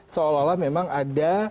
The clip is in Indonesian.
seolah olah memang ada